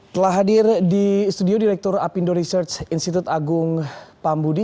telah hadir di studio direktur apindo research institut agung pambudi